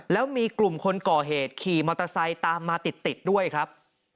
แล้วมีกลุ่มคนก่อเหตุขี่มอเตอร์ไซค์ตามมาติดด้วยครับ